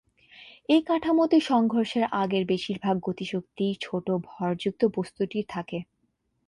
এই কাঠামোতে সংঘর্ষের আগের বেশিরভাগ গতিশক্তি ছোট ভর যুক্ত বস্তুটির থাকে।